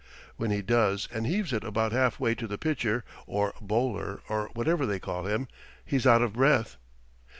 When he does and heaves it about half way to the pitcher, or bowler, or whatever they call him, he's out of breath.